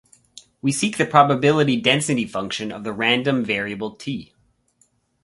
We seek the probability density function of the random variable "T".